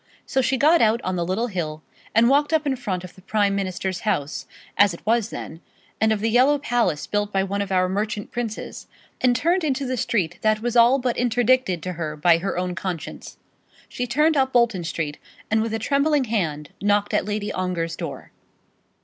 So she got out on the little hill, and walked up in front of the Prime Minister's house, as it was then, and of the yellow palace built by one of our merchant princes, and turned into the street that was all but interdicted to her by her own conscience. She turned up Bolton Street, and with a trembling hand knocked at Lady Ongar's door.